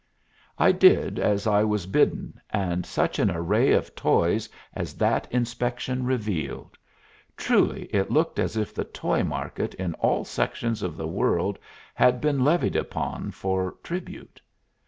I did as I was bidden, and such an array of toys as that inspection revealed! Truly it looked as if the toy market in all sections of the world had been levied upon for tribute.